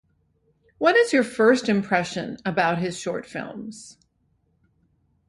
What is your first impression about his short films?